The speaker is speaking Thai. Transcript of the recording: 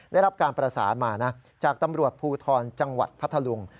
ได้รับการประสานมานะจากตำรวจภูทรจังหวัดพัทธลุง